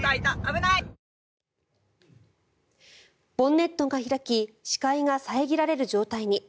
ボンネットが開き視界が遮られる状態に。